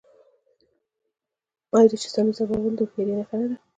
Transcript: آیا د چیستانونو ځوابول د هوښیارۍ نښه نه ده؟